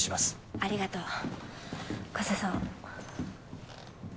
ありがとう加瀬さん